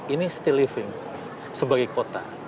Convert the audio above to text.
ini steel living sebagai kota